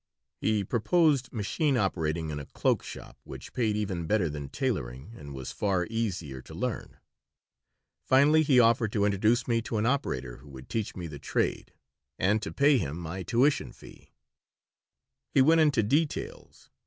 He proposed machine operating in a cloak shop, which paid even better than tailoring and was far easier to learn. Finally he offered to introduce me to an operator who would teach me the trade, and to pay him my tuition fee He went into details.